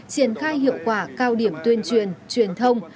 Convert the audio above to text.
triển khai hiệu quả cao điểm tuyên truyền truyền thông